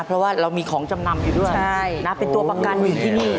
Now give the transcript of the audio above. เพราะว่าเรามีของจำนำอยู่ด้วยเป็นตัวประกันอยู่ที่นี่